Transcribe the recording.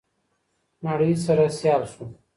نړۍ سره سيال شو.